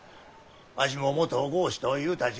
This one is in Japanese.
わしも元郷士とゆうたち